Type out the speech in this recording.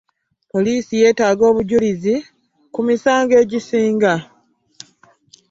Poliisi yetaaga obujulizi ku misango egisinga.